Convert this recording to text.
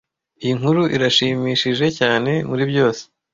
Iyi nkuru irashimishije cyane muribyose.